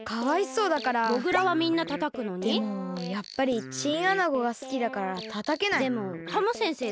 うんやっぱりチンアナゴがすきだからたたけない。